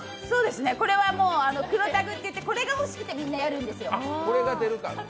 これは黒タグっていって、これが欲しくて、みんなやるんですよ